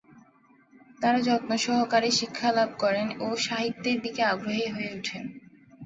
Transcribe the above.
তারা যত্ন সহকারে শিক্ষা লাভ করেন ও সাহিত্যের দিকে আগ্রহী হয়ে উঠেন।